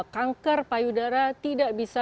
kanker payudara tidak bisa